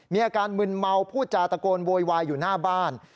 มีอาการมึนเมาพูดจาตะโกนโวยวายอยู่หน้าบ้าน